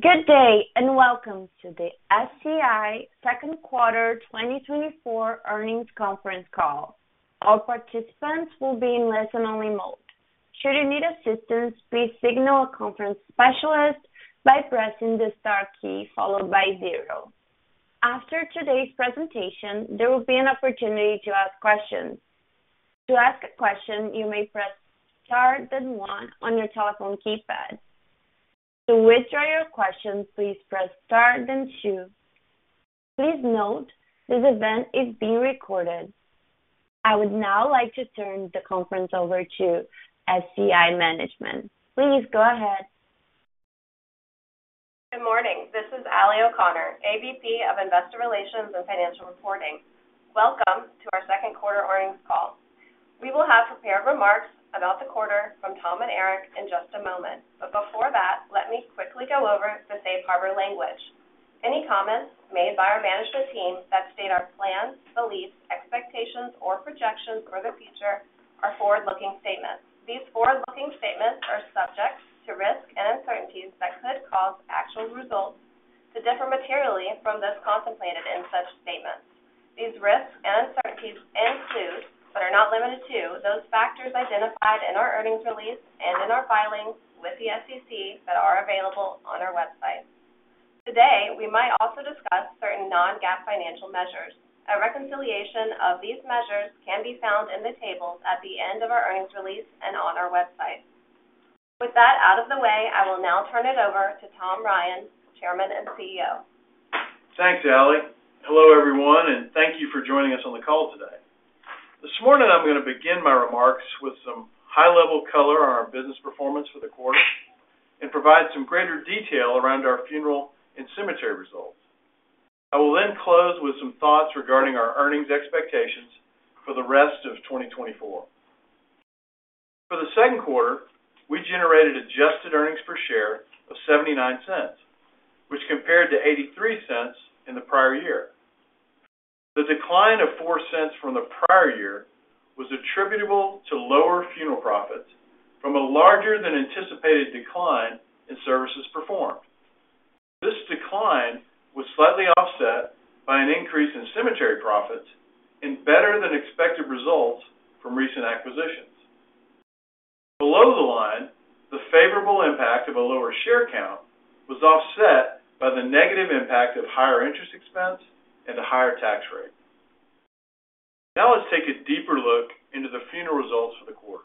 Good day and welcome to the SCI Q2 2024 earnings conference call. All participants will be in listen-only mode. Should you need assistance, please signal a conference specialist by pressing the star key followed by zero. After today's presentation there will be an opportunity to ask questions. To ask a question you may press star and one on your telephone keypad. To withdraw your questions, please press star then two. Please note this event is being recorded. I would now like to turn the conference over to SCI Management. Please go ahead. Good morning, this is Allie O'Connor, AVP of Investor Relations and Financial Reporting. Welcome to our Q2 earnings call. We will have prepared remarks about the quarter from Tom and Eric in just a moment, but before that let me quickly go over the safe harbor language. Any comments made by our management team that state our plans, beliefs, expectations or projections for the future are forward-looking statements. These forward-looking statements are subject to risks and uncertainties that could cause actual results to differ materially from those contemplated in such statements. These risks and uncertainties include, but are not limited to, those factors identified in our earnings release and in our filings with the SEC that are available on our website today. We might also discuss certain non-GAAP financial measures. A reconciliation of these measures can be found in the tables at the end of our earnings release and on our website. With that out of the way, I will now turn it over to Tom Ryan, Chairman and CEO. Thanks, Allie. Hello, everyone, and thank you for joining us on the call today. This morning I'm going to begin my remarks with some high-level color on our business performance for the quarter and provide some greater detail around our funeral and cemetery results. I will then close with some thoughts regarding our earnings expectations for the rest of 2024. For the Q2, we generated adjusted earnings per share of $0.79, which compared to $0.83 in the prior year. The decline of $0.04 from the prior year was attributable to lower funeral profits from a larger-than-anticipated decline in services performed. This decline was slightly offset by an increase in cemetery profits and better-than-expected results from recent acquisitions. Below the line. The favorable impact of a lower share count was offset by the negative impact of higher interest expense and a higher tax rate. Now let's take a deeper look into the funeral results for the quarter.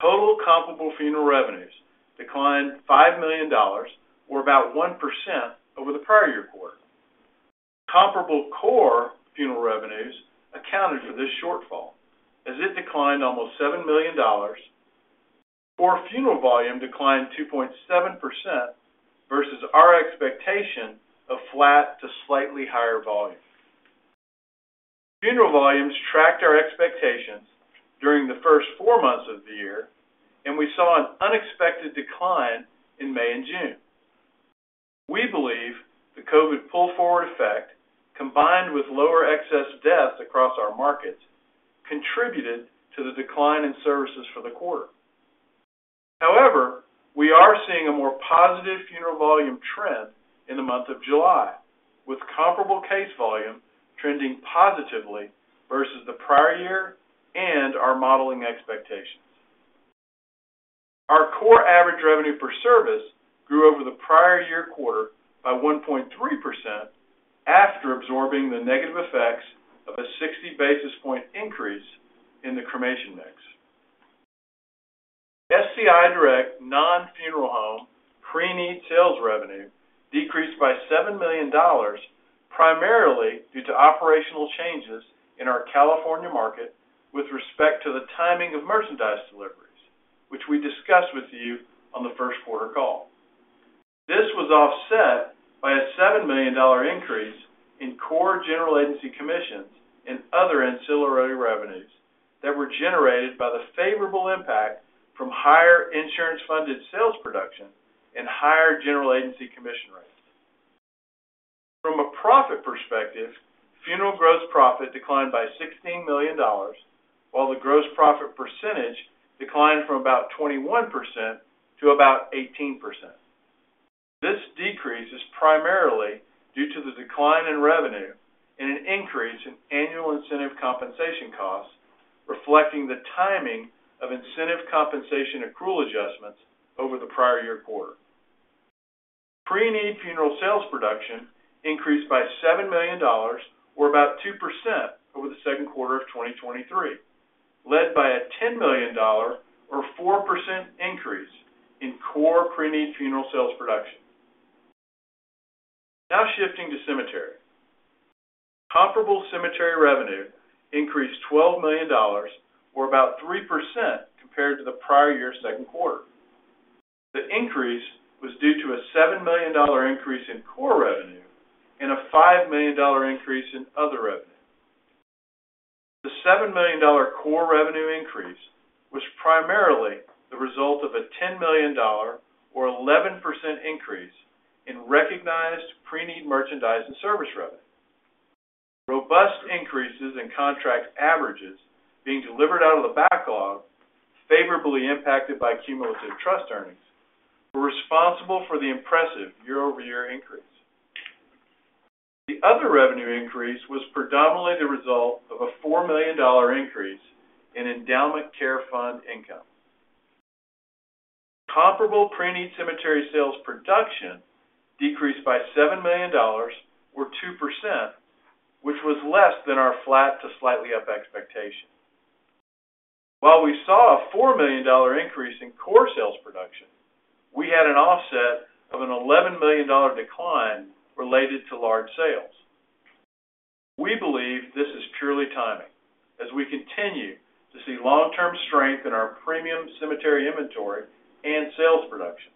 Total comparable funeral revenues declined $5 million or about 1% over the prior year. Quarter comparable core funeral revenues accounted for this shortfall as it declined almost $7 million. Core funeral volume declined 2.7% versus our expectation of flat to slightly higher volume. Funeral volumes tracked our expectations during the first four months of the year and we saw an unexpected decline in May and June. We believe the COVID pull forward effect combined with lower excess deaths across our markets contributed to the decline in services for the quarter. However, we are seeing a more positive funeral volume trend in the month of July with comparable case volume trending positively versus the prior year and our modeling expectations. Our core average revenue per service grew over the prior year quarter by 1.3% after absorbing the negative effects of a 60 basis point increase in the cremation mix. SCI Direct non-funeral home preneed sales revenue decreased by $7 million primarily due to operational changes in our California market with respect to the timing of merchandise deliveries which we discussed with you on the Q1 call. This was offset by a $7 million increase in core general agency commissions and other ancillary revenues that were generated by the favorable impact from higher insurance funded sales production and higher general agency commission rates. From a profit perspective, funeral gross profit declined by $16 million while the gross profit percentage declined from about 21% to about 18%. This decrease is primarily due to the decline in revenue and an increase in annual incentive compensation costs reflecting the timing of incentive compensation accrual adjustments over the prior year. Quarter pre-need funeral sales production increased by $7 million or about 2% over the Q2 of 2023, led by a $10 million or 4% increase in core pre-need funeral sales production. Now shifting to cemetery, comparable cemetery revenue increased $12 million or about 3% compared to the prior year. In the Q2, the increase was due to a $7 million increase in core revenue and a $5 million increase in other revenue. The $7 million core revenue increase was primarily the result of a $10 million or 11% increase in recognized pre-need merchandise and service revenue. Robust increases in contract averages being delivered out of the backlog, favorably impacted by cumulative trust earnings, were responsible for the impressive year-over-year increase. The other revenue increase was predominantly the result of a $4 million increase in endowment care fund income. Comparable pre-need cemetery sales production decreased by $7 million or 2%, which was less than our flat to slightly up expectation. While we saw a $4 million increase in core sales production, we had an offset of an $11 million decline related to large sales. We believe this is purely timing as we continue to see long-term strength in our premium cemetery inventory and sales production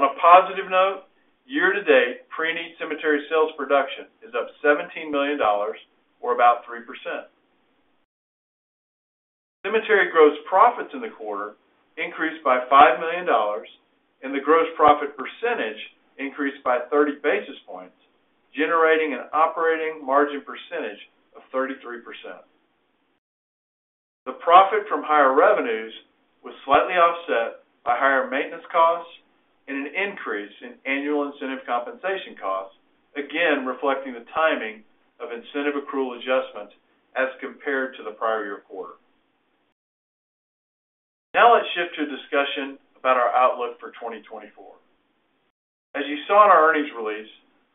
on a positive note. Year-to-date, preneed cemetery sales production is up $17 million or about 3%. Cemetery gross profits in the quarter increased by $5 million and the gross profit percentage increased by 30 basis points, generating an operating margin percentage of 33%. The profit from higher revenues was slightly offset by higher maintenance costs and an increase in annual incentive compensation costs, again reflecting the timing of incentive accrual adjustment as compared to the prior year quarter. Now let's shift to discussion about our outlook for 2024. As you saw in our earnings release,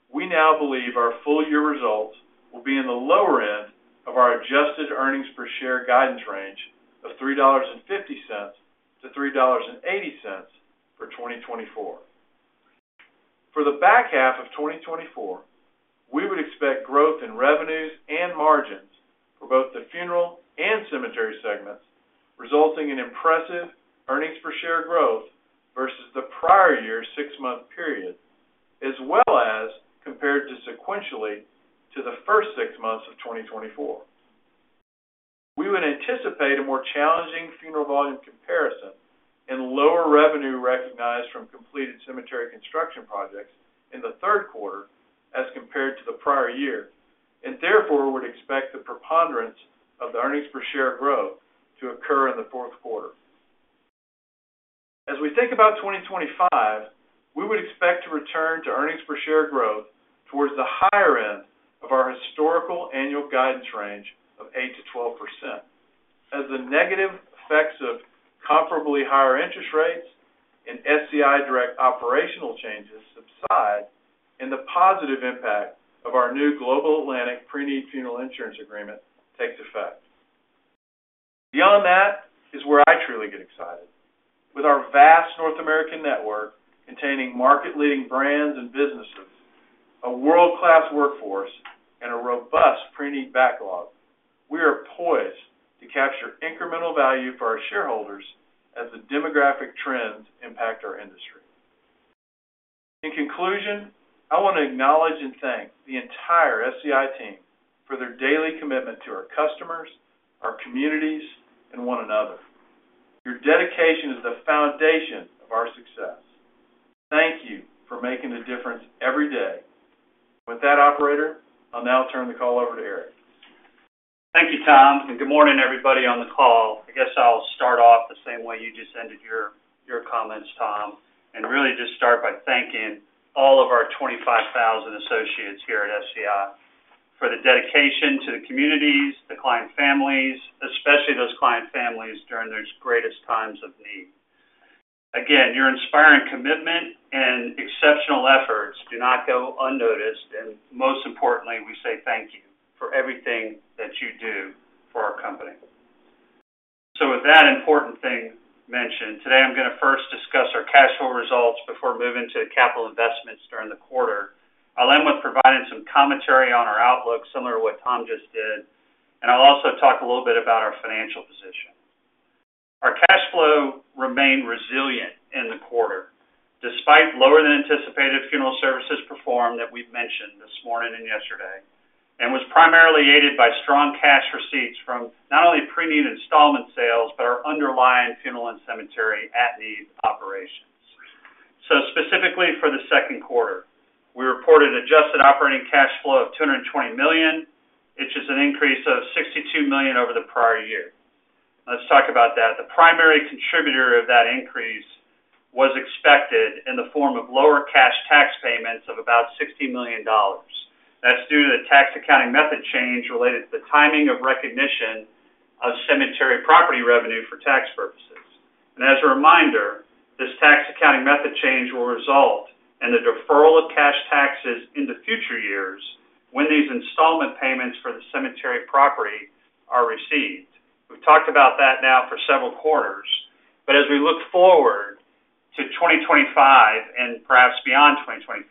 we now believe our full year results will be in the lower end of our adjusted earnings per share guidance range of $3.50-$3.80 for 2024. For the back half of 2024, we would expect growth in revenues and margins for both the funeral and cemetery segments resulting in impressive earnings per share growth versus the prior year six month period as well as compared to sequentially to the first six months of 2024. We would anticipate a more challenging funeral volume comparison and lower revenue recognized from completed cemetery construction projects in the Q3 as compared to the prior year and therefore would expect the preponderance of the earnings per share growth to occur in the Q4. As we think about 2025, we would expect to return to earnings per share growth towards the higher end of our historical annual guidance range of 8%-12% as the negative effects of comparably higher interest rates and SCI Direct operational changes subside and the positive impact of our new Global Atlantic preneed funeral insurance agreement takes effect. Beyond that is where I truly get excited. With our vast North American network containing market leading brands and businesses, a world class workforce and a robust pre-need backlog, we are poised to capture incremental value for our shareholders as the demographic trends impact our industry. In conclusion, I want to acknowledge and thank the entire SCI team for their daily commitment to our customers, our communities and one another. Your dedication is the foundation of our success. Thank you for making a difference every day with that operator. I'll now turn the call over to Eric. Thank you, Tom, and good morning, everybody, on the call. I guess I'll start off the same way. You just ended your comments, Tom, and really just start by thanking all of our 25,000 associates here at SCI for the dedication to the communities, the client families, especially those client families during their greatest times of need. Again, your inspiring commitment and exceptional efforts do not go unnoticed, and most importantly, we say thank you for everything that you do for our company. So with that important thing mentioned today, I'm going to first discuss our cash flow results before moving to capital investments during the quarter. I'll end with providing some commentary on our outlook similar to what Tom just did. And I'll also talk a little bit about our financial position. Our cash flow remained resilient in the quarter despite lower than anticipated funeral services performed that we've mentioned this quarter morning and yesterday and was primarily aided by strong cash receipts from not only pre-need installment sales, but our underlying funeral and cemetery at-need operations. Specifically for the Q2, we reported adjusted operating cash flow of $220 million, which is an increase of $62 million over the prior year. Let's talk about that. The primary contributor of that increase was expected in the form of lower cash tax payments of about $60 million. That's due to the tax accounting method change related to the timing of recognition of cemetery property revenue for tax purposes. As a reminder, this tax accounting method change will result in the deferral of cash taxes into future years when these installment payments for the cemetery property are received. We've talked about that now for several quarters. But as we look forward to 2025 and perhaps beyond 2025,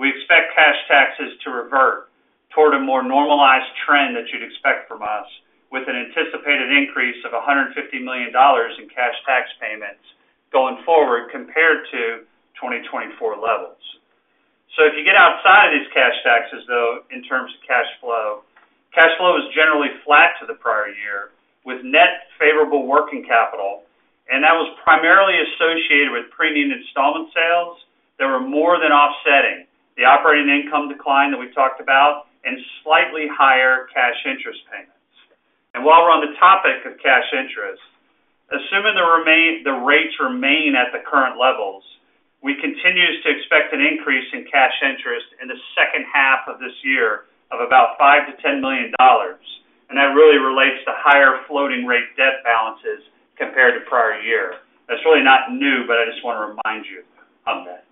we expect cash taxes to revert toward a more normalized trend that you'd expect from us with an anticipated increase of $150 million in cash tax payments going forward compared to 2024 levels. So if you get outside of these cash taxes, though, in terms of cash flow, cash flow is generally flat to the prior year with net favorable working capital. And that was primarily associated with premium installment sales that were more than offsetting the operating income decline that we talked about and slightly higher cash interest payments. And while we're on the topic of cash interest, assuming the rates remain at the current levels, we continue to expect an increase in cash interest in the second half of this year of about $5 million-$10 million. That really relates to higher floating rate debt balances compared to prior year. That's really not new, but I just want to remind you of that.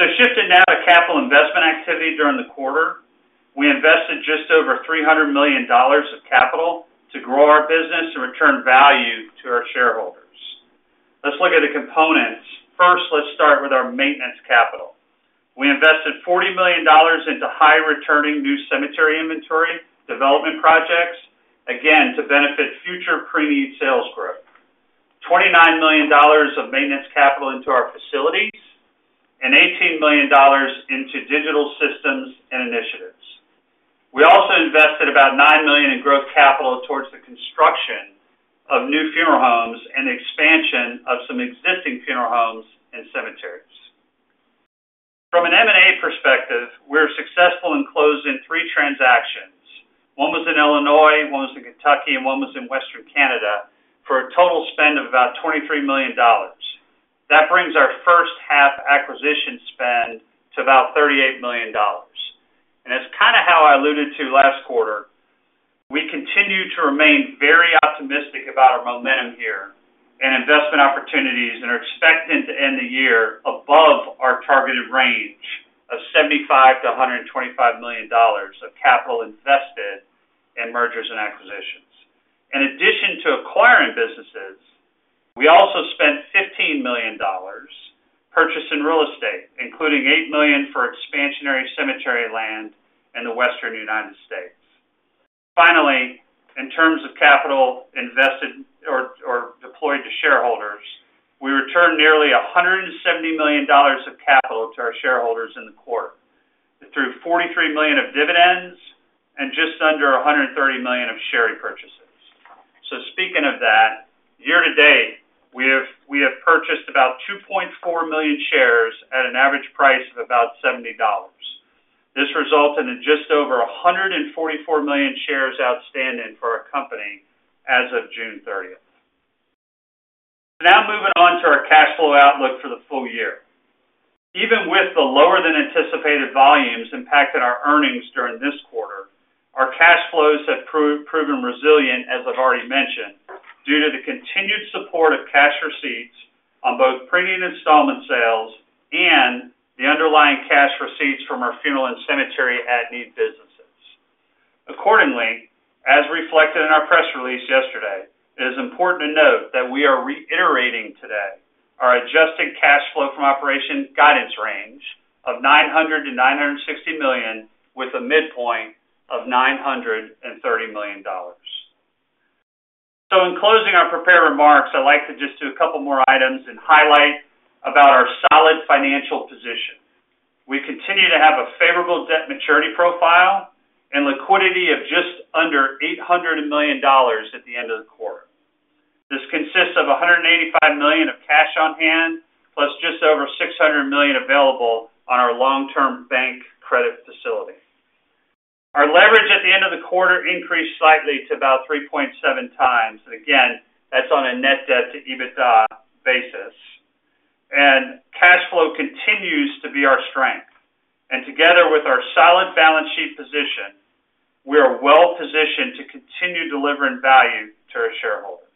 Shifting now to capital investment activity. During the quarter we invested just over $300 million of capital to grow our business and return value to our shareholders. Let's look at the components. First, let's start with our maintenance capital. We invested $40 million into high-returning new cemetery inventory development projects. Again to benefit future preneed sales growth. $29 million of maintenance capital into our facilities and $18 million into digital systems and initiatives. We also invested about $9 million in growth capital towards the construction of new funeral homes and expansion of some existing funeral homes and cemeteries. From an M&A perspective, we were successful in closing 3 transactions. One was in Illinois, one was in Kentucky. One was in Western Canada for a total spend of about $23 million. That brings our first half acquisition spend to about $38 million and that's kind of how I alluded to last quarter. We continue to remain very optimistic about our momentum here and investment opportunities and are expecting to end the year above our targeted range of $75 million-$125 million of capital invested in mergers and acquisitions. In addition to acquiring businesses, we also spent $15 million purchasing real estate, including $8 million for expansionary cemetery land in the Western United States. Finally, in terms of capital invested or deployed to shareholders, we returned nearly $170 million of capital to our shareholders in the quarter through $43 million of dividends and just under $130 million of share repurchases. So speaking of that year, to date we have purchased about 2.4 million shares at an average price of about $70. This resulted in just over 144 million shares outstanding for our company as of June 30th. Now moving on to our cash flow outlook for the full year. Even with the lower than anticipated volumes impacted our earnings during this quarter, our cash flows have proven resilient. As I've already mentioned, due to the continued support of cash receipts on both preneed and installment sales and the underlying cash receipts from our funeral and cemetery at need business. Accordingly, as reflected in our press release yesterday, it is important to note that we are reiterating today our adjusted cash flow from operations guidance range of $900 million-$960 million with a midpoint of $930 million. So in closing our prepared remarks, I'd like to just do a couple more items and highlight about our solid financial position. We continue to have a favorable debt maturity profile and liquidity of just under $800 million at the end of the quarter. This consists of $185 million of cash on hand plus just over $600 million available on our long term bank credit facility. Our leverage at the end of the quarter increased slightly to about 3.7 times and again that's on a net debt to EBITDA basis and cash flow continues to be our strength and together with our solid balance sheet position, we are well positioned to continue delivering value to our shareholders.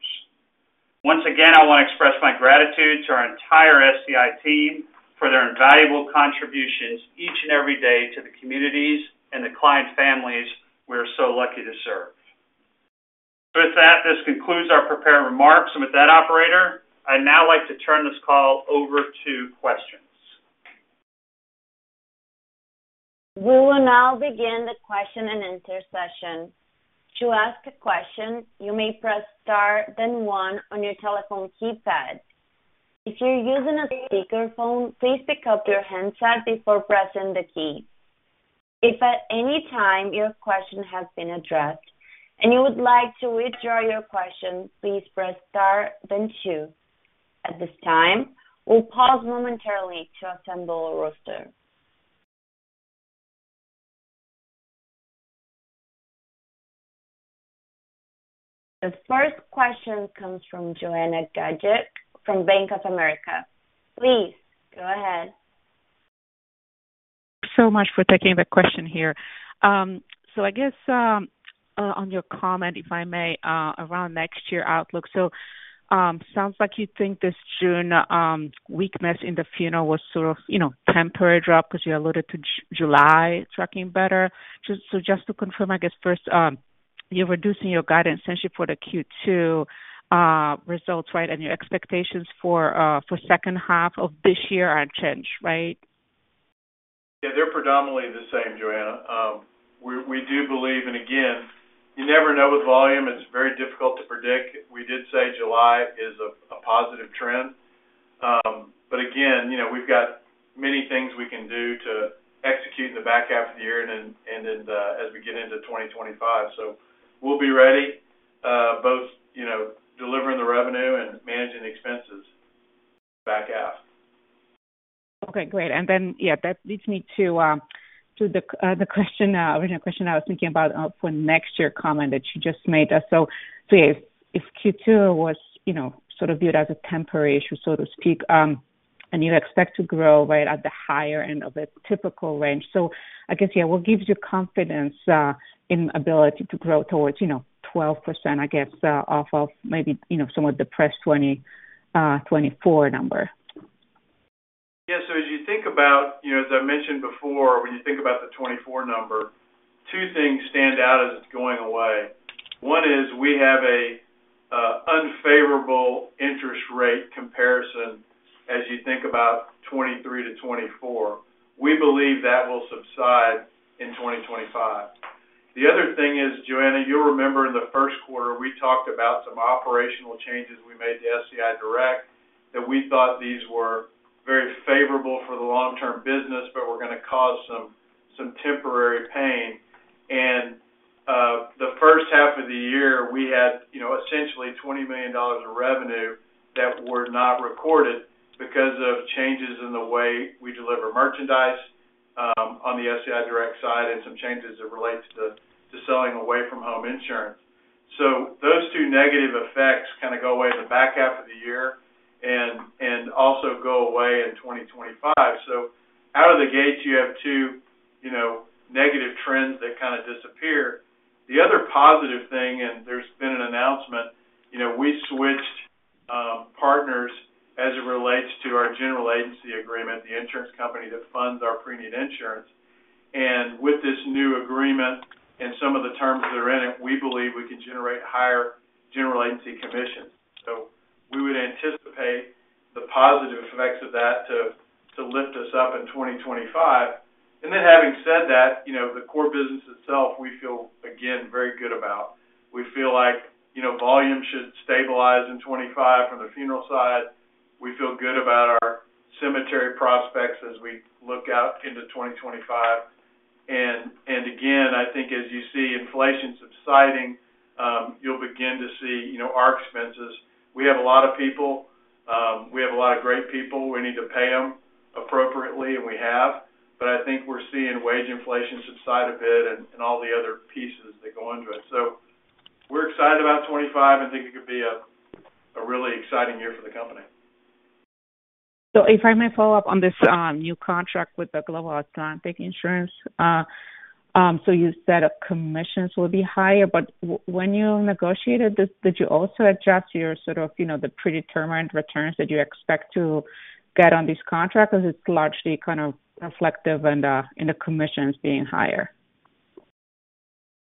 Once again, I want to express my gratitude to our entire SCI team for their invaluable contributions each and every day to the communities and the client families we are so lucky to serve. With that, this concludes our prepared remarks and with that, operator, I'd now like to turn this call over to questions. We will now begin the question and answer session. To ask a question, you may press star then one on your telephone keypad. If you're using a speakerphone, please pick up your handset before pressing the key. If at any time your question has been addressed and you would like to withdraw your question, please press star then two. At this time, we'll pause momentarily to assemble a roster. The first question comes from Joanna Gajuk from Bank of America. Please go ahead. So much for taking the question here. So, I guess on your comment, if I may, around next year outlook. So, sounds like you think this June weakness in the funeral was sort of temporary drop because you alluded to July tracking better. So, just to confirm, I guess first you're reducing your guidance essentially for the Q2 results. Right? And your expectations for second half of this year aren't changed, right? Yeah, they're predominantly the same, Joanna, we do believe. And again, you never know with volume. It's very difficult to predict. We did say July is a positive trend, but again, you know, we've got many things we can do to execute in the back half of the year and as we get into 2025, so we'll be ready both, you know, delivering the revenue and managing expenses back half. Okay, great. And then. Yeah, that leads me to the question, original question I was thinking about for next year comment that you just made. So if Q2 was, you know, sort of viewed as a temporary issue, so to speak, and you expect to grow right at the higher end of a typical range. So I guess, yeah. What gives you confidence in ability to grow towards, you know, 12%, I guess, off of maybe somewhat depressed 2024 number? Yes. So as you think about, as I mentioned before, when you think about the 2024 number, two things stand out as it's going away. One is we have an unfavorable interest rate comparison as you think about 2023 to 2024, we believe that will subside in 2025. The other thing is, Joanna, you'll remember in the Q1 we talked about some operational changes we made to SCI Direct, that we thought these were very favorable for the long term business, but were going to cause some temporary pain. And the first half of the year we had essentially $20 million of revenue that were not recorded because of changes in the way we deliver merchandise on the SCI Direct side and some changes that relate to selling away from home insurance. So those two negative effects kind of go away in the back half of the year and also go away in 2025. So out of the gate, you have two negative trends that kind of disappear. The other positive thing, and there's been an announcement we switched partners as it relates to our general agency agreement, the insurance company that funds our premium insurance. And with this new agreement and some of the terms that are in it, we believe we can generate higher general agency commissions. So we would anticipate the positive effects of that to lift us up in 2025. And then having said that, the core business itself, we feel, again, very good about. We feel like, you know, volume should stabilize in 2025 from the funeral side, we feel good about our cemetery prospects as we look out into 2025. And again, I think as you see inflation subsiding, you'll begin to see our expenses. We have a lot of people. We have a lot of great people. We need to pay them appropriately. And we have. But I think we're seeing wage inflation subside a bit and all the other people pieces that go into it. So we're excited about 2025 and think it could be a really exciting year for the company. So if I may follow up on this new contract with the Global Atlantic. So you said commissions will be higher, but when you negotiated this, did you also adjust your sort of, you know, the predetermined returns that you expect to get on these contracts because it's largely kind of reflective and the commissions being higher?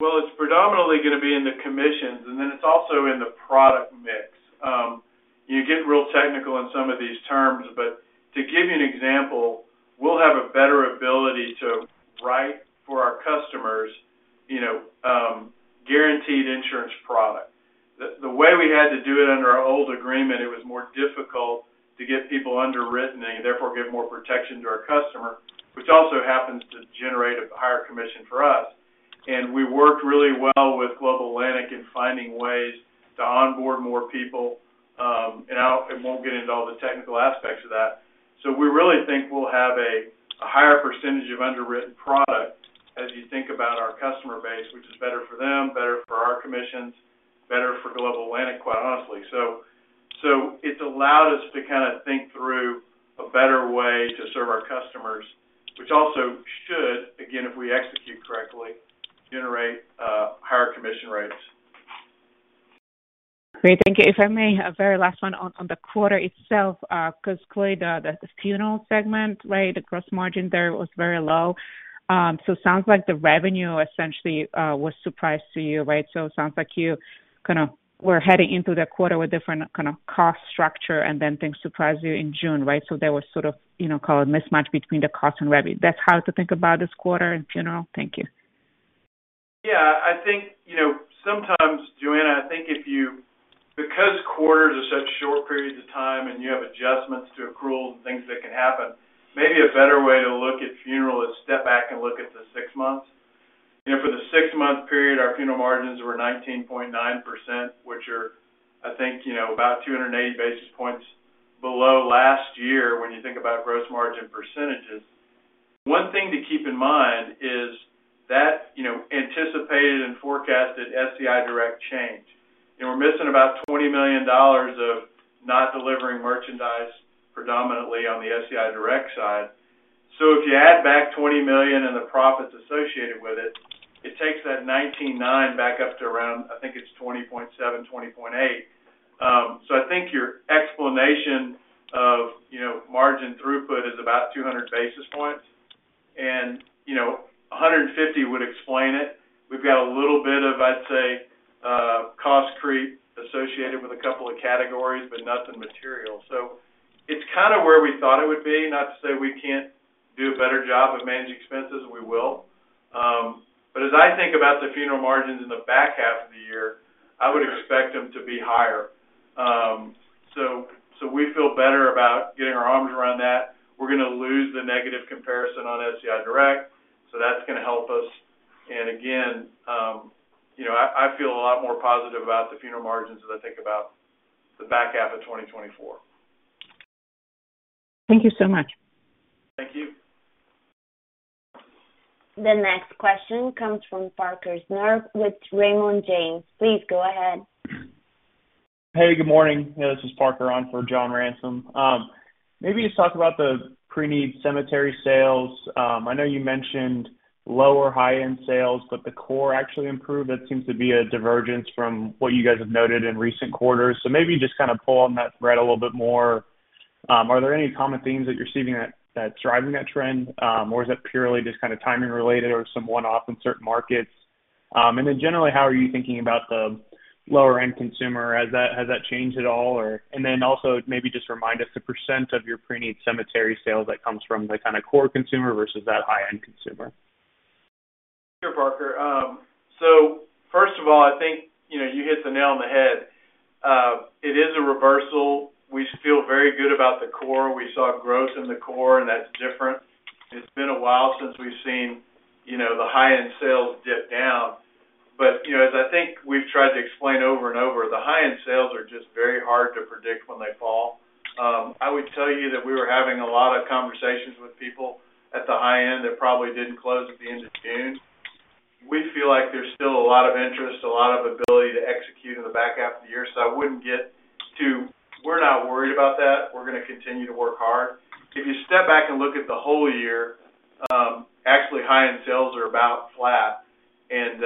Well, it's predominantly going to be in the commissions, and then it's also in the product mix. You get real technical in some of these terms. But to give you an example, we'll have a better ability to write for our customers guaranteed insurance product the way we had to do it under our old agreement. It was more difficult to get people underwritten and therefore give more protection to our customer, which also happens to generate a higher commission for us. And we worked really well with Global Atlantic in finding ways to onboard more people. And we'll get into all the technical aspects of that. So we really think we'll have a higher percentage of underwritten product as you think about our customer base, which is better for them, better for our commissions, better for Global Atlantic, quite honestly. It's allowed us to kind of think through a better way to serve our customers, which also should, again, if we execute correctly, generate higher commission rates. Great, thank you. If I may, a very last one on the quarter itself because clearly the funeral segment gross margin there was very low. So sounds like the revenue essentially was surprised to you, right? So it sounds like you kind of were heading into the quarter with different kind of cost structure. And then things surprised you in June. Right. So there was sort of, you know, cost mismatch between the cost and revenue. That's hard to think about this quarter and funeral. Thank you. Yeah, I think, you know sometimes Joanna. I think if you. Because quarters are such short periods of time and you have adjustments to accrual and things that can happen, maybe a better way to look at funeral is step back and look at the six months. For the six month period our funeral margins were 19.9% which are I think about 280 basis points below last year. When you think about gross margin percentages, one thing to keep in mind is that anticipated and forecasted SCI Direct change, we're missing about $20 million of not delivering merchandise, predominantly on the SCI Direct side. So if you add back $20 million and the profits associated with it, it takes that 19.9 back up to around. I think it's 20.7, 20.8. So I think your explanation of margin throughput is about 200 basis points and 150 would explain it. We've got a little bit of, I'd say cost creep associated with a couple of categories but nothing material. So it's kind of where we thought it would be. Not to say we can't do a better job of managing expenses. We will. But as I think about the funeral margins in the back half of the year, I would expect them to be higher. So we feel better about getting our arms around that. We're going to lose the negative comparison on SCI Direct. So that's going to help us. And again I feel a lot more positive about the funeral margins as I think about the back half of 2024. Thank you so much. Thank you. The next question comes from Parker Snure with Raymond James. Please go ahead. Hey, good morning. This is Parker on for John Ransom. Maybe just talk about the pre-need cemetery sales. I know you mentioned lower high end sales, but the core actually improved. That seems to be a divergence from what you guys have noted in recent quarters. So maybe just kind of pull on that thread a little bit. Are there any common themes that you're seeing that's driving that trend or is it purely just kind of timing related or some one off in certain markets? And then generally how are you thinking about the lower end consumer? Has that changed at all? And then also maybe just remind us the percent of your pre-need cemetery. Sales that comes from the kind of core consumer versus that high end consumer. Sure, Parker. So first of all I think you know you hit the nail on the head. It is a reversal. We feel very good about the core. We saw growth in the core and that's different. It's been a while since we've seen, you know, the high end sales dip down. But you know, as I think we've tried to explain over and over, the high end sales are just very hard to predict when they fall. I would tell you that we were having a lot of conversations with people at the high end that probably didn't close at the end of June. We feel like there's still a lot of interest, a lot of ability to execute in the back half of the year. So I wouldn't get to. We're not worried about that. We're going to continue to work hard. If you step back and look at the whole year, actually high end sales are about flat. And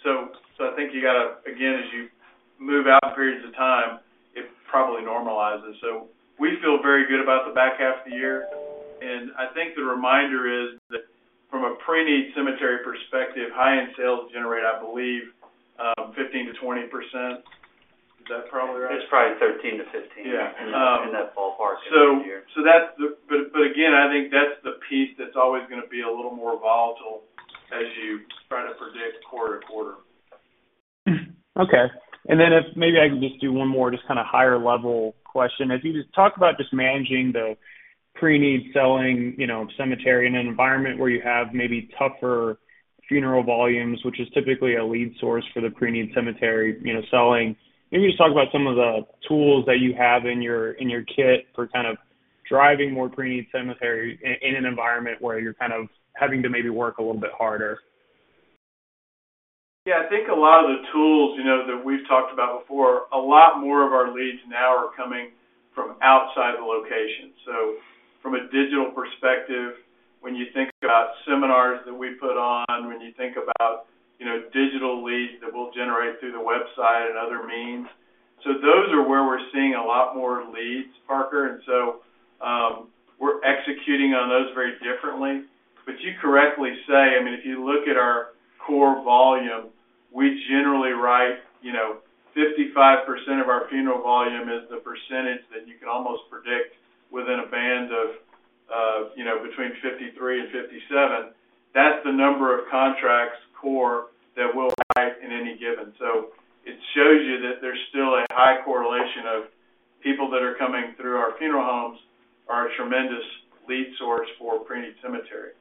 so I think you got to again, as you move out in periods of time, it probably normalizes. So we feel very good about the back half of the year. And I think the remainder is that from a pre-need cemetery perspective, high end sales generate I believe 15%-20%. Is that probably right? It's probably 13 to 15 in that ballpark. But again, I think that's the piece that's always going to be a little more volatile as you try to predict quarter to quarter. Okay. And then if maybe I can just do one more just kind of higher level. As you just talk about just managing the pre-need selling cemetery in an environment where you have maybe tougher funeral volumes, which is typically a lead source for the pre-need cemetery selling. Maybe just talk about some of the tools that you have in your kit for kind of driving more pre-need cemetery in an environment where you're kind of having to maybe work a little bit harder. Yeah, I think a lot of the tools that we've talked about before, a lot more of our leads now are coming from outside the location. So from a digital perspective, when you think about seminars that we put on, when you think about digital leads that we'll generate through the website and other means. So those are where we're seeing a lot more leads, Parker. And so we're executing on those very differently. But you correctly say, I mean if you look at our core volume, we generally write, you know, 55% of our funeral volume is the percentage that you can almost predict within a band of, you know, between 53%-57%. That's the number of contracts core that we'll write in any given. So it shows you that there's still a high correlation of people that are coming through. Our funeral homes are a tremendous lead source for preneed cemetery.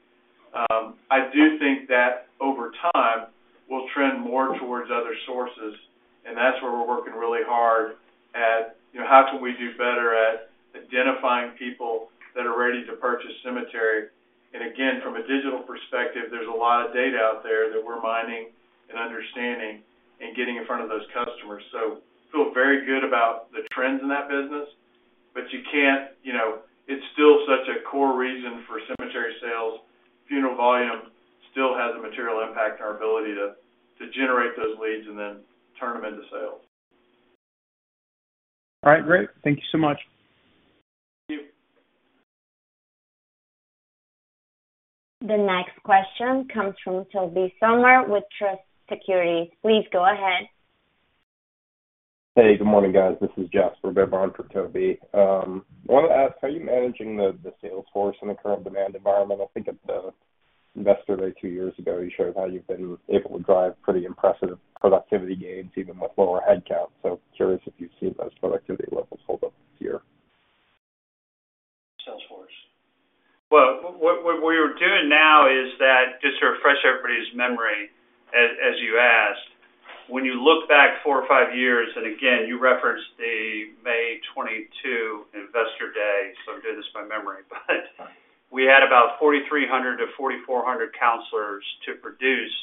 I do think that over time will trend more towards other sources. And that's where we're working really hard at. How can we do better at identifying people that are ready to purchase cemetery? And again, from a digital perspective, there's a lot of data out there that we're mining and understanding and getting in front of those customers. So feel very good about the trends in that business. But you can't. You know, it's still such a core reason for cemetery sales. Funeral volume still has a material impact on our ability to generate those leads and then turn them into sales. All right, great. Thank you so much. The next question comes from Toby Sommer with Truist Securities. Please go ahead. Hey, good morning, guys. This is Jess for BofA for Toby. I wanted to ask, are you managing the sales force in the current demand environment? I think at the investor day two years ago, you showed how you've been able to drive pretty impressive productivity gains even with lower headcount. So curious if you've seen those productivity levels hold up this year. Salesforce. Well, what we were doing now is that just to refresh everybody's memory, as you asked, when you look back four or five years and again, you referenced the May 2022 Investor Day. So I did this by memory, but we had about 4,300 to 4,400 counselors to produce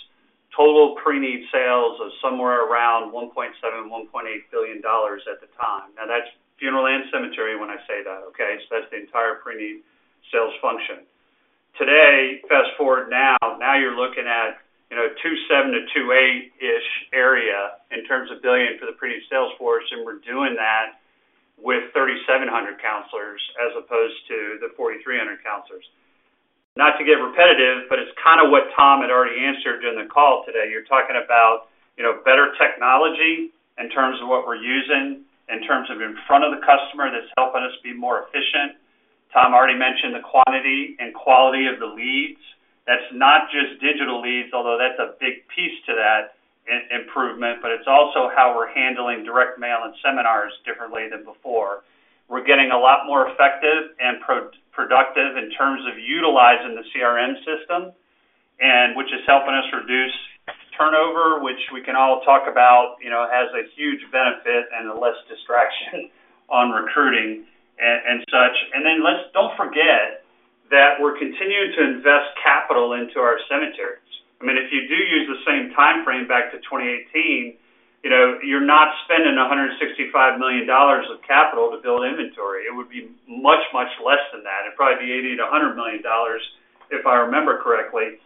total pre-need sales of somewhere around $1.7-$1.8 billion at the time. Now that's funeral and cemetery. When I say that. Okay, so that's the entire pre-need sales function today. Fast forward now. Now you're looking at 2.7 to 2.8 ish area in terms of billion for the pre-need sales force. And we're doing that with 3,700 counselors as opposed to the 4,300 counselors. Not to get repetitive, but it's kind of what Tom had already answered during the call today. You're talking about better technology in terms of what we're using in terms of in front of the customer that's helping us be more efficient. Tom already mentioned the quantity and quality of the leads. That's not just digital leads, although that's a big piece to that improvement. But it's also how we're handling direct mail and seminars differently than before. We're getting a lot more effective and productive in terms of utilizing the CRM system and which is helping us reduce turnover, which we can all talk about, you know, has a huge benefit and less distraction on recruiting and such. And then let's don't forget that we're continuing to invest capital into our cemeteries. I mean if you do use the same time frame back to 2018, you know, you're not spending $165 million of capital to build inventory. It would be much, much less than that. It'd probably be $80 million-$100 million if I remember correctly.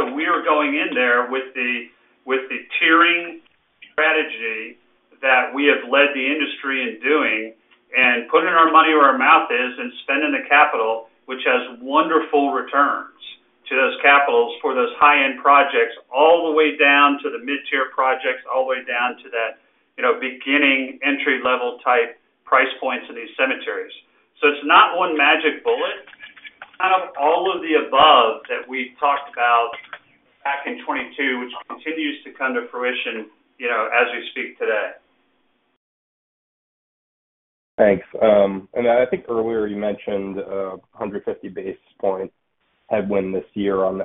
So we are going in there with the tiering strategy that we have led the industry in doing and putting our money where our mouth is and spending the capital and which has wonderful returns to those capitals for those high-end projects all the way down to the mid-tier projects all the way down to that, you know, beginning entry-level type price points in these cemeteries. So it's not one magic bullet kind of all of the above that we talked about back in 2022 which continues to come to fruition, you know, as we speak today. Thanks. I think earlier you mentioned 150 basis point headwind this year on the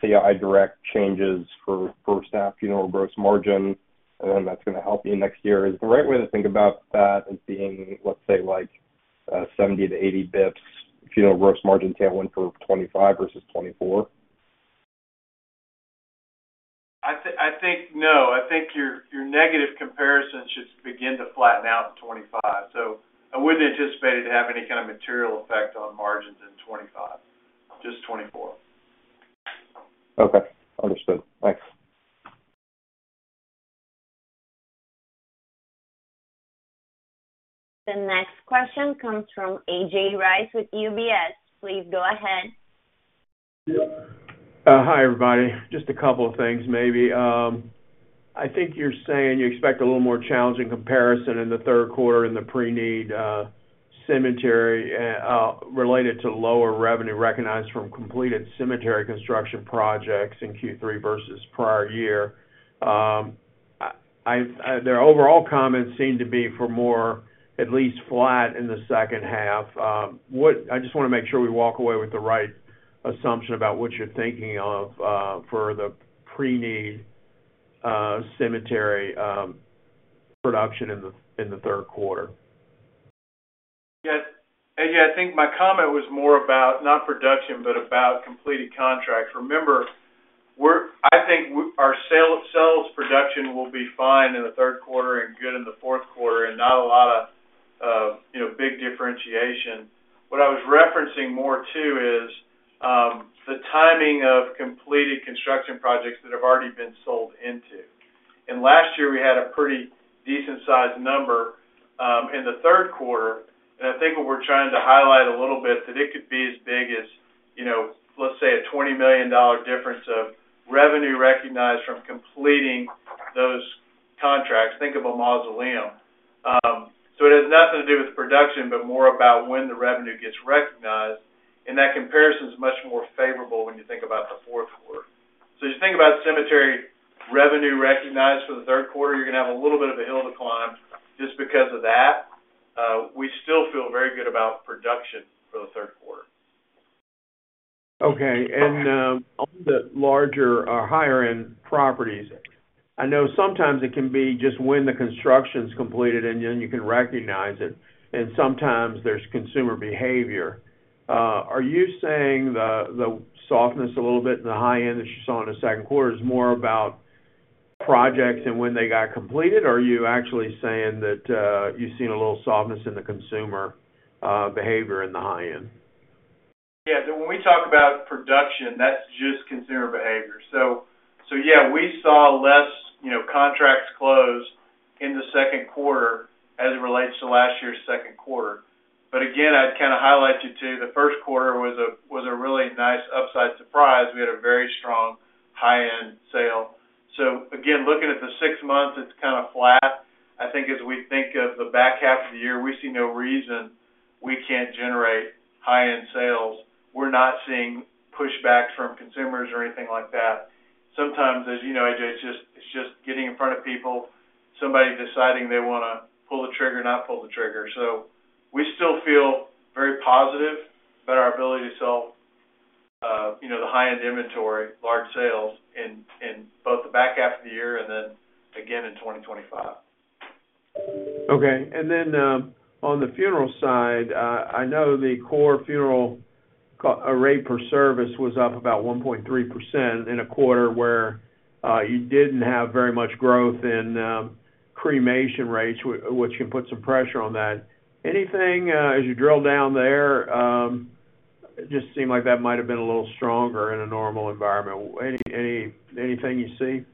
SCI Direct changes for first half funeral gross margin. And that's going to help you next year. Is the right way to think about that as being let's say like 70-80 basis points funeral gross margin tailwind for 2025 versus 2024. I think. No, I think your negative comparison should begin to flatten out in 2025. So I wouldn't anticipate it to have any kind of material effect on margins in 2025. Just 2024. Okay, understood. Thanks. The next question comes from A.J. Rice with UBS. Please go ahead. Hi everybody. Just a couple of things maybe I think you're saying you expect a little more challenging comparison in the Q3 and the pre-need cemetery related to lower revenue recognized from completed cemetery construction projects in Q3 versus prior year. Their overall comments seem to be for more at least flat in the second half. I just want to make sure we walk away with the right assumption about what you're thinking of for the pre-need cemetery production in the Q3. I think my comment was more about not production but about completed contracts. Remember I think our sales production will be fine in the Q3 and good in the Q4 and not a lot of big differentiation. What I was referencing more too is the timing of completed construction projects that have already been sold into and last year we had a pretty decent sized number in the Q3. And I think what we're trying to highlight a little bit that it could be as big as let's say a $20 million difference of revenue recognized from completing those contracts think of a mausoleum. So it has nothing to do with production, but more about when the revenue gets recognized. And that comparison is much more favorable when you think about the four. So just think about cemetery revenue recognized for the Q3. You're going to have a little bit of a hill to climb just because of that. We still feel very good about production for the Q3. Okay. And on the larger, higher end properties, I know sometimes it can be just when the construction's completed and then you can recognize it. And sometimes there's consumer behavior. Are you saying the softness a little bit in the high end that you saw in the Q2 is more about projects and when they got completed? Are you actually saying that you've seen a little softness in the consumer behavior in the high end? Yeah, when we talk about production, that's just consumer behavior. So yeah, we saw less contracts close in the Q2 as it relates to last year's Q2. But again, I'd kind of highlight you too. The Q1 was a really nice upside surprise. We had a very strong high end sale. So again, looking at the six months, it's kind of flat. I think as we think of the back half of the year, we see no reason we can't generate high end sales. We're not seeing pushback from consumers or anything like that. Sometimes, as you know, A.J. it's just getting in front of people, somebody deciding they want to pull the trigger, not pull the trigger. So we still feel very positive about our ability to sell the high end inventory. Large sales in both the back half of the year and then again in 2025. Okay. Then on the funeral side, I know the core funeral rate per service was up about 1.3% in a quarter where you didn't have very much growth in cremation rates, which can put some pressure on that. Anything as you drill down there, it just seemed like that might have been a little stronger in a normal environment. Anything you see,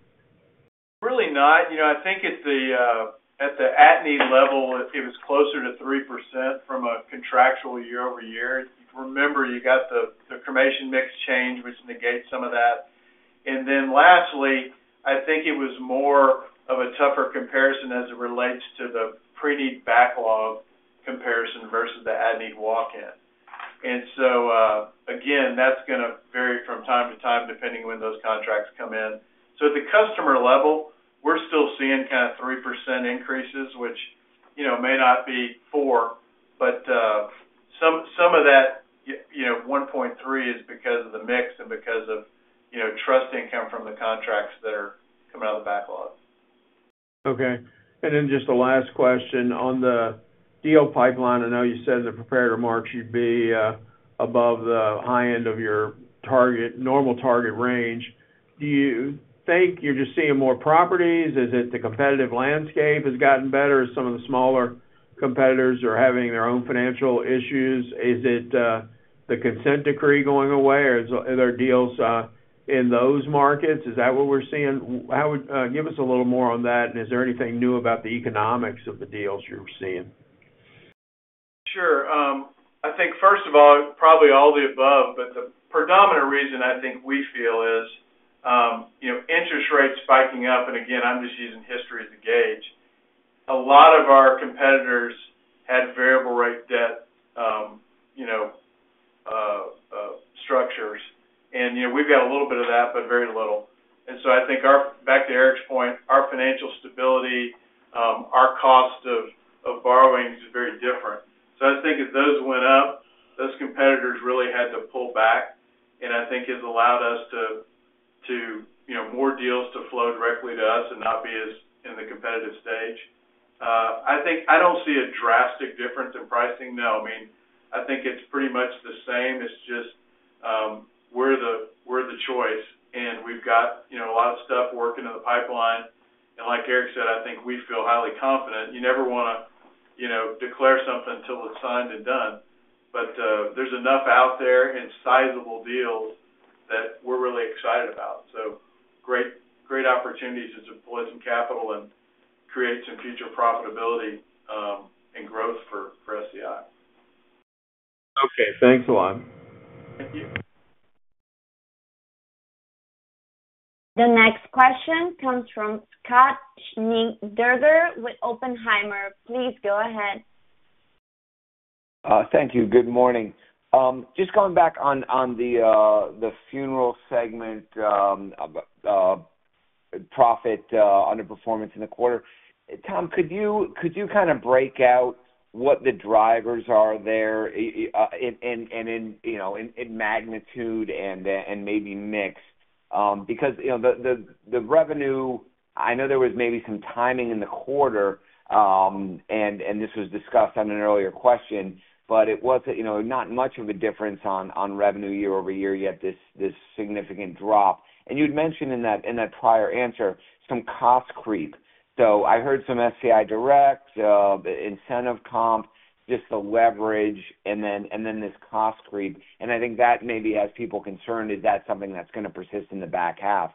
really not. I think at the level it was closer to 3% from a contractual year-over-year. Remember, you got the, the cremation mix change, which negates some of that. And then lastly, I think it was more of a tougher comparison as it relates to the pre-need backlog comparison versus the at need walk in. And so again, that's going to vary from time to time depending when those contracts come in. So at the customer level, we're still seeing kind of 3% increases, which may not be 4, but some of that 1.3 is because of the mix and because of trust income from the contracts that are coming out of the backlog. Okay, and then just the last question on the deal pipeline. I know you said in the prepared remarks you'd be above the high end of your target, normal target range. Do you think you're just seeing more properties? Is it the competitive landscape has gotten better? Some of the smaller competitors are having their own financial issues. Is it the consent decree going away or are there deals in those markets? Is that what we're seeing? Give us a little more on that. And is there anything new about the economics of the deals you're seeing? Sure, I think first of all, probably all the above. But the predominant reason I think we feel is interest rates spiking up. And again I'm just using history as a gauge. A lot of our competitors had variable rate debt structures and we've got a little bit of that but very little. I think back to Eric's point, our financial stability, our cost of borrowing is very different. So I think if those went up, those competitors really had to pull back. And I think it's allowed us to to more deals to flow directly to us and not be as in the competitive stage. I think I don't see a drastic difference in pricing. No, I mean I think it's pretty much the same. It's just we're the choice and we've got a lot of stuff working in the pipeline and like Eric said, I think we feel highly confident. You never want to declare something until it's signed and done. But there's enough out there and sizable deals that we're really excited about. So great opportunities to deploy some capital and create some future profitability and growth for SCI. Okay, thanks a lot. Thank you. The next question comes from Scott Schneeberger with Oppenheimer. Please go ahead. Thank you. Good morning. Just going back on the funeral segment. Profit underperformance in the quarter. Tom, could you kind of break out what the drivers are there and in magnitude and maybe mix because the revenue. I know there was maybe some timing in the quarter and this was discussed on an earlier question but it was not much of a difference on revenue year-over-year yet this significant drop. And you had mentioned in that prior answer some cost creep. So I heard some SCI Direct incentive comp, just the leverage and then this cost creep and I think that maybe has people concerned. Is that something that's going to persist in the back half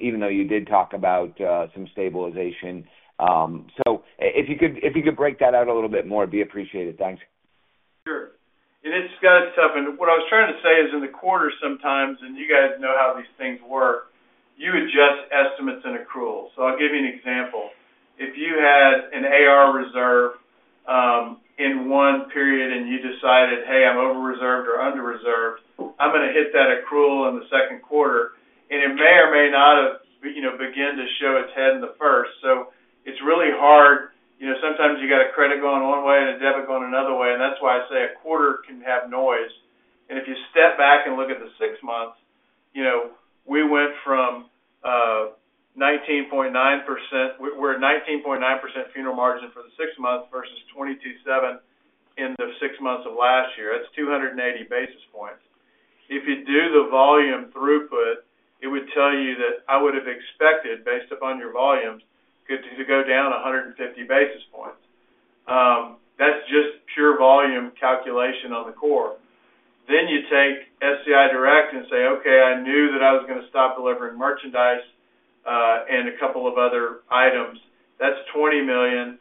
even though you did talk about some stabilization? So if you could break that out a little bit more, it'd be appreciated, thanks. Sure. What I was trying to say is in the quarter sometimes, and you guys know how these things work, you adjust estimates and accruals. So I'll give you an example. If you had an AR reserve in one period and you decided, hey, I'm over reserved or under reserved, going to hit that accrual in the Q2 and it may or may not have, you know, begin to show its head in the first. So it's really hard, you know, sometimes you got a credit going one way and a debit going another way. And that's why I say a quarter can have noise. And if you step back and look at the six months, you know, we went from 19.9%, we're at 19.9% funeral margin for the six months versus 22.7% in the six months of last year. That's 280 basis points. If you do the volume throughput, it would tell you that I would have expected based upon your volumes to go down 150 basis points. That's just pure volume calculation on the core. Then you take SCI Direct and say, okay, I knew that I was going to stop delivering merchandise and a couple of other items, that's $20 million,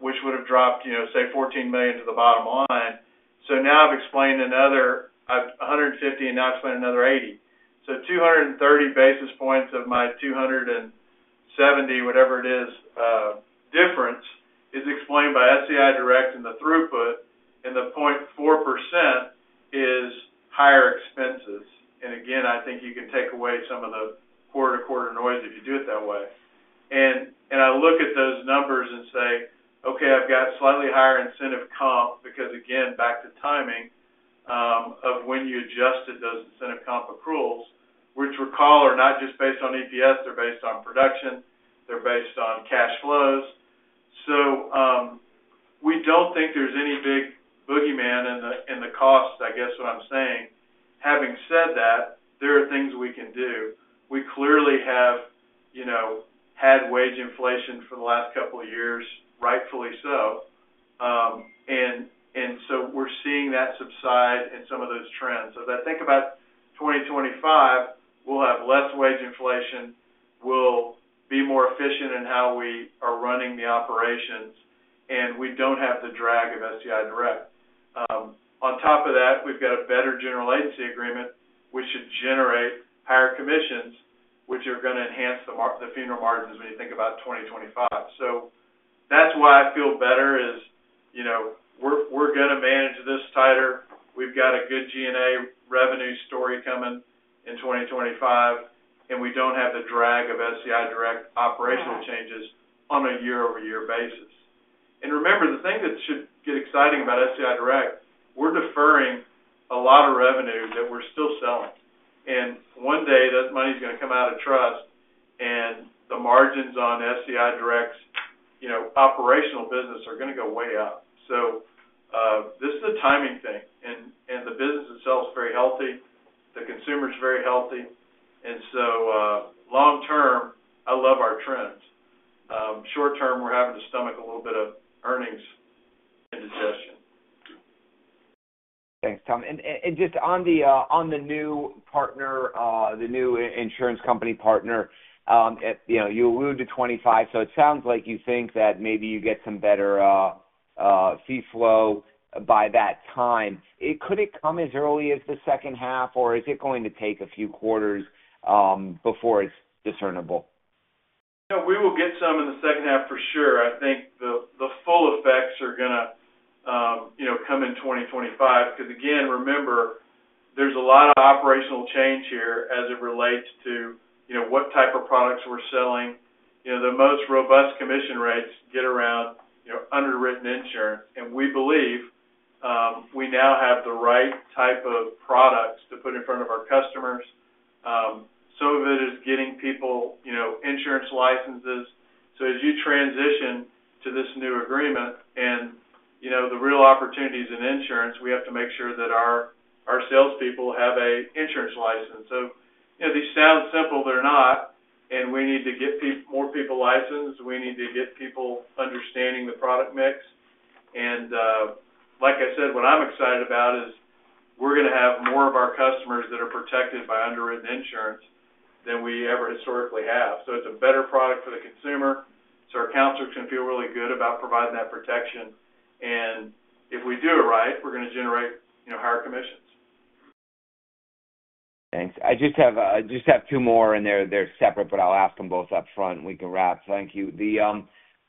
which would have dropped say $14 million to the bottom line. So now I've explained another 150 and now explained another 80. So 230 basis points of my 270, whatever it is difference is explained by SCI Direct and the throughput and the 4% is higher expenses. And again, I think you can take away some of the quarter-to-quarter noise if you do it that way. And I look at those numbers and say, okay, I've got slightly higher incentive comp because again, back to timing of when you adjusted those incentive comp accruals which recall are not just based on EPS, they're based on production, they're based on cash flows. So we don't think there's any big boogeyman in the cost. I guess what I'm saying. Having said that, there are things we can do. We clearly have had wage inflation for the last couple of years, rightfully so. We're seeing that subside in some of those trends as I think about 2025, we'll have less wage inflation, we'll be more efficient in how we are running the operations and we don't have the drag of SCI Direct. On top of that we've got a better general agency agreement which should generate higher commissions which are going to enhance the funeral margins. When you think about 2025. So that's why I feel better is we're going to manage this tighter. We've got a good G&A revenue story coming in 2025 and we don't have the drag of SCI Direct operational changes on a year-over-year basis. And remember the thing that should get exciting about SCI Direct, we're deferring a lot of revenue that we're still selling. And one day that money is going to come out of trust and the margins on SCI Direct operational business are going to go way up. This is a timing thing and the business itself is very healthy. The consumer is very healthy. And so long term, I love our trends. Short term, we're having to stomach a little bit of earnings indigestion. Thanks, Tom. Just on the new partner, the new insurance company partner, you allude to 25, so it sounds like you think that maybe you get some better fee flow by that time. Could it come as early as the second half or is it going to take a few quarters before it's discernible? We will get some in the second half for sure. I think the full effects are going to come in 2025 because again, remember, there's a lot of operational change here as it relates to what type of products we're selling. The most robust commission rates get around underwritten insurance. And we believe we now have the right type of products to put in front of our customers. Some of it is getting people insurance licenses. So as you transition to this new agreement and the real opportunities in insurance, we have to make sure that our salespeople have an insurance license. These sound simple, they're not. And we need to get more people licensed. We need to get people understanding the product mix. Like I said, what I'm excited about is we're going to have more of our customers that are protected by underwritten insurance than we ever historically have. It's a better product for the consumer. Our counselors can feel really good about providing that protection. If we do it right, we're going to generate higher commissions. Thanks. I just have two more and they're separate, but I'll ask them both up front. We can wrap. Thank you.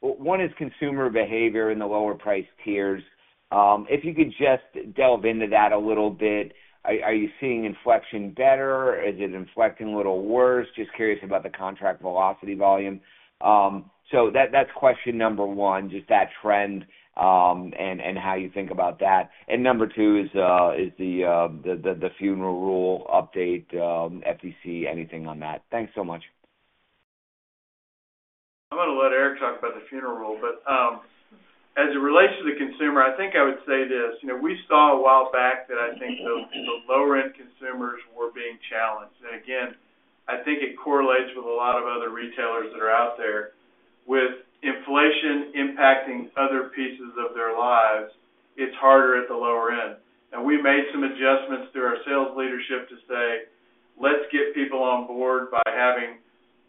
One is consumer behavior in the lower price tiers. If you could just delve into that a little bit. Are you seeing inflection better? Is it inflecting a little worse? Just curious about the contract velocity volume. So that's question number one, just that trend and how you think about that. And number two is the funeral rule update FTC. Anything on that? Thanks so much. I'm going to let Eric talk about the funeral rule, but as it relates to the consumer, I think I would say this. We saw a while back that I think the lower end consumers were being challenged. And again I think it correlates with a lot of other retailers that are out there with inflation impacting other pieces of their lives. It's harder at the lower end. And we made some adjustments through our sales leadership to say let's get people on board by having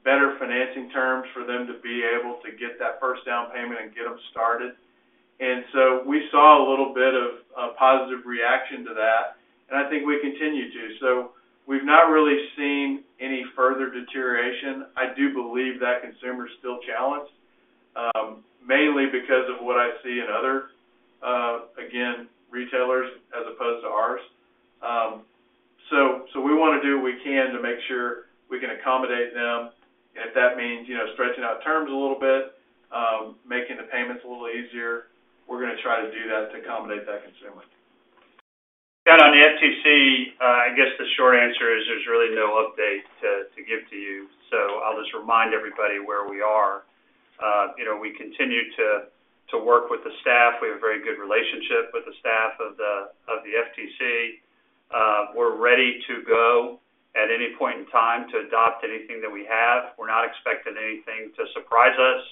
better financing terms for them to be able to get that first down payment and get them started. And so we saw a little bit of positive reaction to that and I think we continue to. So we've not really seen any further deterioration. I do believe that consumer is still challenged mainly because of what I see in other ailing retailers as opposed to ours. We want to do what we can to make sure we can accommodate them. If that means stretching out terms a little bit, making the payments a little easier, we're going to try to do that to accommodate that consumer. Scott, on the FTC, I guess the short answer is there's really no update to give to you. So I'll just remind everybody where we are. You know, we continue to work with the staff. We have a very good relationship with the staff of the FTC. We're ready to go at any point in time to adopt anything that we have. We're not expecting anything to surprise us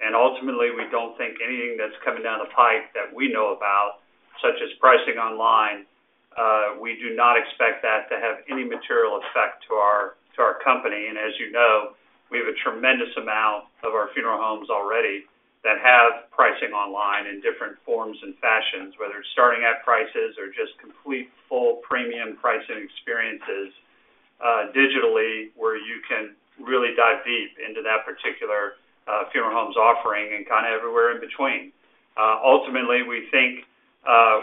and ultimately we don't think anything that's coming down the pipe that we know about, such as pricing online. We do not expect that to have any material effect to our company. And as you know, we have a tremendous amount of our funeral homes already that have pricing online in different forms and fashions. Whether it's starting at prices or just complete full premium pricing experiences digitally where you can really dive deep into that particular funeral home's offering and kind of everywhere in between. Ultimately, we think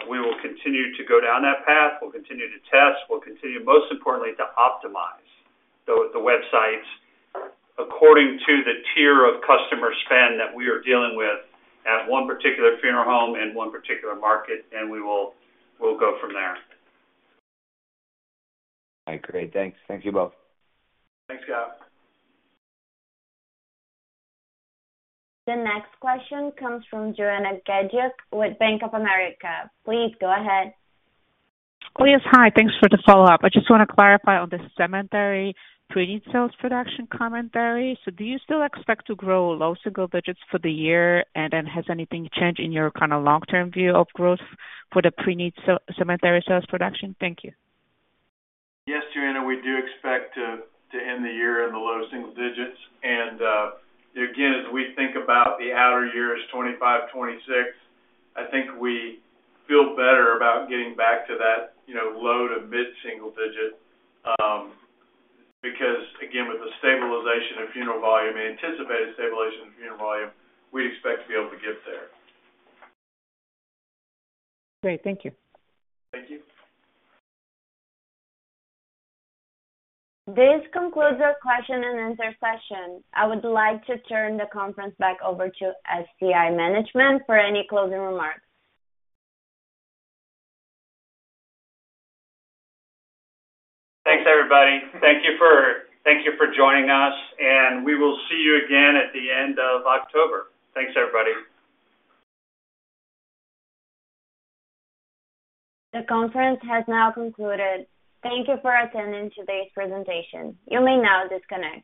we will continue to go down that path. We'll continue to test, we'll continue most importantly to optimize the websites according to the tier of customer spend that we are dealing with at one particular funeral home and one particular market. We will go from there. Great, thanks. Thank you both. Thanks Gab. The next question comes from Joanna Gajuk with Bank of America. Please go ahead, please. Hi, thanks for the follow up. I just want to clarify on the cemetery pre-need sales production commentary. So do you still expect to grow low single digits for the year, and then has anything changed in your kind of long term view of growth for the pre-need cemetery sales production. Thank you. Yes, Joanna, we do expect to end the year in the low-single-digits. And again, as we think about the outer years 2025, 2026, I think we feel better about getting back to that low- to mid-single-digit because again, with the stabilization of funeral volume, anticipated stabilization of funeral volume, we expect to be able to get there. Great. Thank you. Thank you. This concludes our question and answer session. I would like to turn the conference back over to SCI management for any closing remarks. Thanks everybody. Thank you for joining us and we will see you again at the end of October. Thanks everybody. The conference has now concluded. Thank you for attending today's presentation. You may now disconnect.